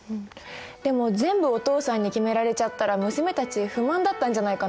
でも全部お父さんに決められちゃったら娘たち不満だったんじゃないかな。